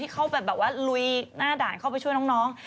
เข้าไปแบบว่าลุยหน้าด่านเข้าไปช่วยน้อง